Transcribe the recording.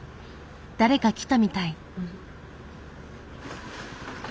誰か来たみたい。